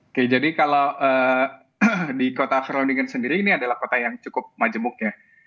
oke jadi kalau di kota karodingan sendiri ini adalah kota yang cukup majemuk ya